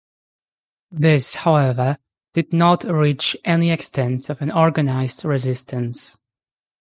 This however did not reach any extent of an organised resistance.